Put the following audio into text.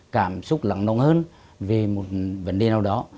cảm xúc lặng nồng hơn về một vấn đề nào đó